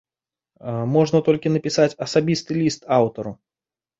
Можна толькі напісаць асабісты ліст аўтару.